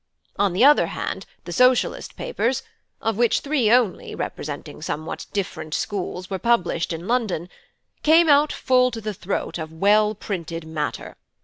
On the other hand, the Socialist papers (of which three only, representing somewhat different schools, were published in London) came out full to the throat of well printed matter.